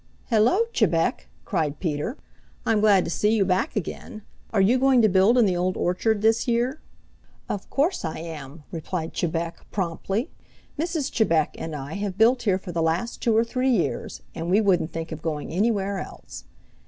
"Hello, Chebec!" cried Peter. "I'm glad to see you back again. Are you going to build in the Old Orchard this year?" "Of course I am," replied Chebec promptly. "Mrs. Chebec and I have built here for the last two or three years, and we wouldn't think of going anywhere else.